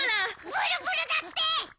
ブルブルだって！